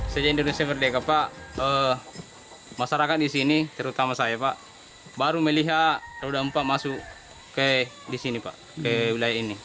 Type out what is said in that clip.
sejak indonesia merdeka pak masyarakat di sini terutama saya pak baru melihat roda empat masuk ke wilayah ini